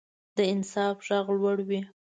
د انصاف غږ لوړ وي